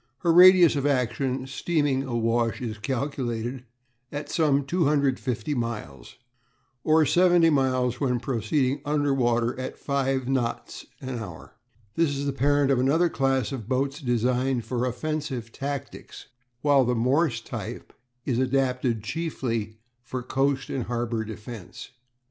Her radius of action, steaming awash, is calculated at some 250 miles, or seventy miles when proceeding under water at five knots an hour. This is the parent of another class of boats designed for offensive tactics, while the Morse type is adapted chiefly for coast and harbour defence.